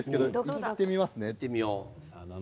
いってみますね。